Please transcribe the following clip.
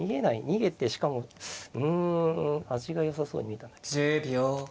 逃げてしかもうん味がよさそうに見えたんだけど。